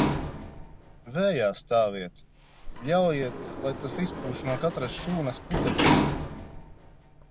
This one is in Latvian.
Vējā stāviet, ļaujiet, lai tas izpūš no katras šūnas putekļus.